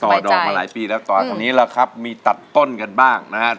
ดอกมาหลายปีแล้วตอนนี้ล่ะครับมีตัดต้นกันบ้างนะครับ